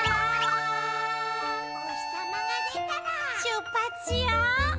おひさまがでたらしゅっぱつしよう！